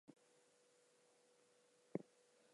And that grocer lout?